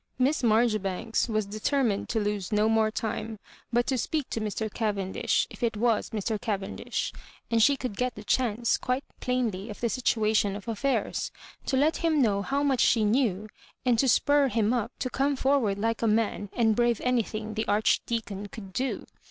Miss Marjoribanks was determined to lose no more time, but to speak to Mr. Cavendish, if it was Mr. Cavendish, and she could get the chance, quite plainly of the situation of affairs — to let him know how much she knew, and to spur him up to come forward like a man and brave anything the Archdeacon could do.